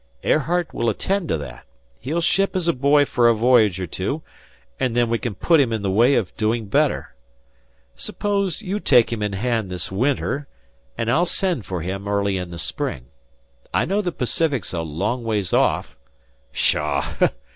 "Airheart will attend to that. He'll ship as boy for a voyage or two, and then we can put him in the way of doing better. Suppose you take him in hand this winter, and I'll send for him early in the spring. I know the Pacific's a long ways off " "Pshaw!